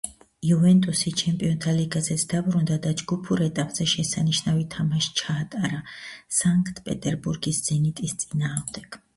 იუვენტუსი ჩემპიონთა ლიგაზეც დაბრუნდა და ჯგუფურ ეტაპზე შესანიშნავი თამაში ჩაატარა სანქტ-პეტერბურგის ზენიტის წინააღმდეგ.